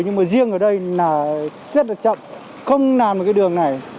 nhưng mà riêng ở đây là rất là chậm không làm một cái đường này